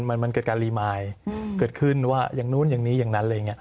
มันเกิดการรีมายเกิดขึ้นว่าอย่างนู้นอย่างนี้อย่างนั้นอะไรอย่างนี้